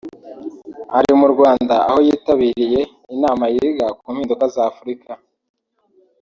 ari mu Rwanda aho yitabiriye inama yiga ku mpinduka za Afurika